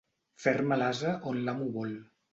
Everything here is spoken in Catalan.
Ferma l'ase on l'amo vol.